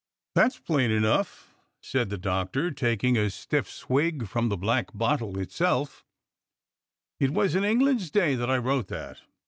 '" "That's plain enough," said the Doctor, taking a stiff swig from the black bottle itself; "it was in England's day that I wrote that.